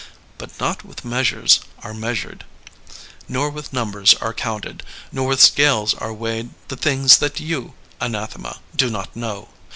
•.. But not with measures are measured, nor with numbers are counted, nor with scales are weighed the things that you. Anathema, do not know.